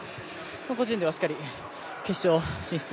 個人ではしっかり決勝進出。